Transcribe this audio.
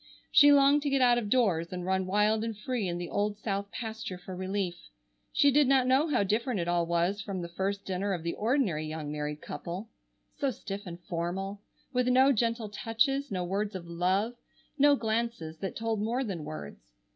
She longed to get out of doors and run wild and free in the old south pasture for relief. She did not know how different it all was from the first dinner of the ordinary young married couple; so stiff and formal, with no gentle touches, no words of love, no glances that told more than words.